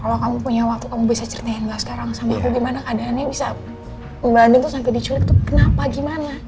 kalau kamu punya waktu kamu bisa ceritain gak sekarang sama aku gimana keadaannya bisa membanding tuh sampai diculik tuh kenapa gimana